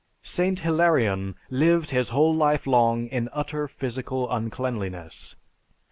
St. Hilarion lived his whole life long in utter physical uncleanliness.